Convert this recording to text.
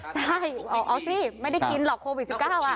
ใช่เอาสิไม่ได้กินหรอกโควิด๑๙